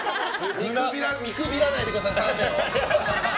見くびらないでください澤部を。